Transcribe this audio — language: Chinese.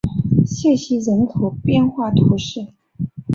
谢西人口变化图示